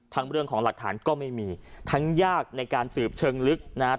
เรื่องของหลักฐานก็ไม่มีทั้งยากในการสืบเชิงลึกนะครับ